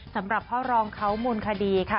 สำหรับพ่อรองเขามูลคดีค่ะ